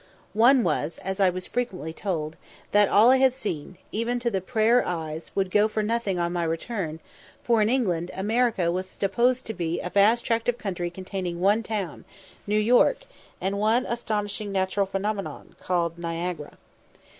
One was, as I was frequently told, that all I had seen, even to the "Prayer Eyes," would go for nothing on my return; for in England, America was supposed to be a vast tract of country containing one town New York; and one astonishing natural phenomenon, called Niagara.